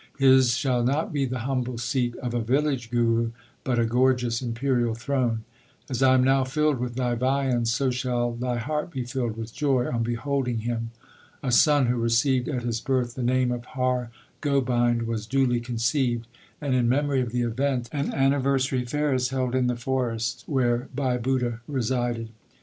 His shall not be the humble seat of a village Guru, but a gorgeous imperial throne. As I am now filled with thy viands, so shall thy heart be filled with joy on beholding him. A son who received at his birth the name of Har Gobind was duly conceived ; and in memory of the event an anniversary fair is held in the forest where Bhai Budha resided.